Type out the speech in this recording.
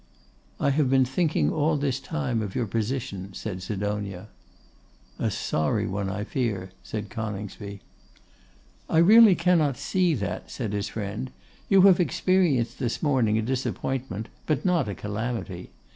'I have been thinking all this time of your position,' said Sidonia. 'A sorry one, I fear,' said Coningsby. 'I really cannot see that,' said his friend. 'You have experienced this morning a disappointment, but not a calamity.